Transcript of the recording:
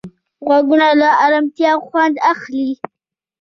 غوږونه له ارامتیا خوند اخلي